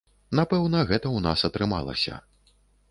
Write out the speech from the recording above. Напэўна, гэта ў нас атрымалася.